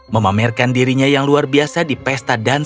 memamerkan dirinya yang luar biasa di pesta dan